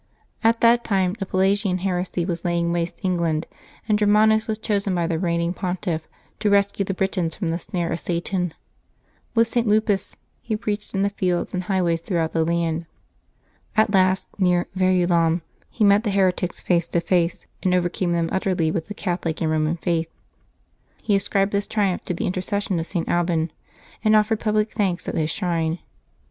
At that time the Pelagian heresy was laying waste England, and Germanus was chosen by the reigning Pontiff to rescue the Britons from the snare of Satan. With St. Lupus he preached in the fields and highways throughout the land. At last, near Verulam, he met the heretics face to face, and overcame them utterly with the Catholic and Eoman faith. He ascribed this triumph to the intercession of St. Alban, and offered public thanks at his shrine.